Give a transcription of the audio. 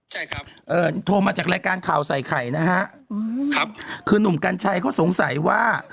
ใช่ครับเอ่อโทรมาจากรายการข่าวใส่ไข่นะฮะอืมครับคือหนุ่มกัญชัยเขาสงสัยว่า